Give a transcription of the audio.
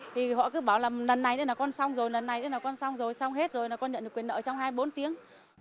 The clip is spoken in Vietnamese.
thì họ cứ bảo là lần này thế là con xong rồi lần này thế là con xong rồi xong hết rồi là con nhận được quyền nợ trong hai mươi bốn tiếng